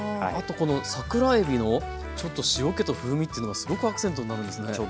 いやあとこの桜えびのちょっと塩けと風味っていうのはすごくアクセントになるんですね。